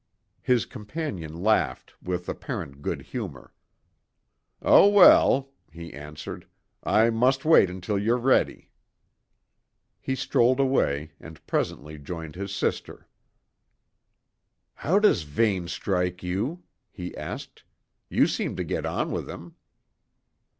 His companion laughed with apparent good humour. "Oh, well!" he answered, "I must wait until you're ready." He strolled away, and presently joined his sister. "How does Vane strike you?" he asked. "You seem to get on with him."